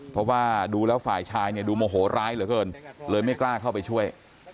เพราะว่าดูแล้วฝ่ายชายเนี่ยดูโมโหร้ายเหลือเกินเลยไม่กล้าเข้าไปช่วย